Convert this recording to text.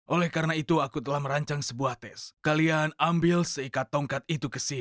oleh karena itu aku telah merancang sebuah tes kalian ambil seikat tongkat itu ke sini